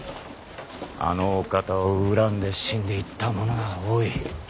あのお方を恨んで死んでいった者は多い。